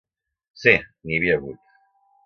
Sí, n’hi havia hagut.